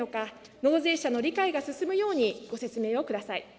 納税者の理解が進むように、ご説明をください。